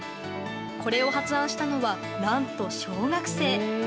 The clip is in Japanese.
これを発案したのは何と小学生。